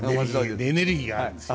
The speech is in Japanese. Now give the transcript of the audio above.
エネルギーがあるんですよ。